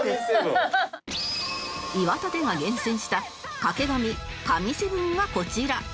岩立が厳選した掛け紙紙７がこちら